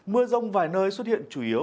mưa rông vài nơi xuất hiện chủ yếu